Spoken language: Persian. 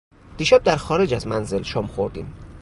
دیشب در خارج از منزل شام خوردیم.